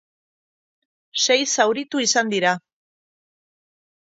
Sei zauritu izan dira.